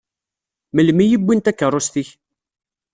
Melmi i wwin takeṛṛust-ik?